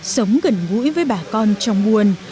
sống gần gũi với bà con trong buôn